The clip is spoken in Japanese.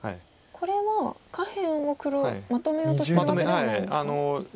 これは下辺を黒まとめようとしてるわけではないんですか？